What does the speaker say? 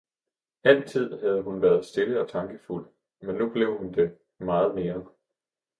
Altid havde hun været stille og tankefuld, men nu blev hun det meget mere.